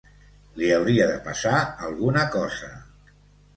Li hauria de passar alguna cosa.